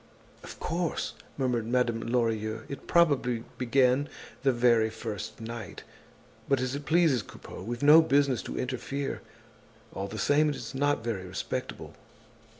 "Of course!" murmured Madame Lorilleux, "it probably began the very first night. But as it pleases Coupeau, we've no business to interfere. All the same, it's not very respectable."